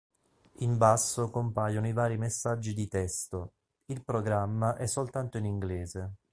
In basso compaiono i vari messaggi di testo; il programma è soltanto in inglese.